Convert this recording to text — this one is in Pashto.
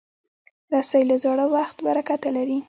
رسۍ له زاړه وخت برکته لري.